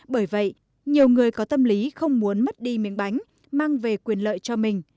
bởi vậy nhiều người có tâm lý không muốn mất đi miếng bánh mang về quyền lợi cho mình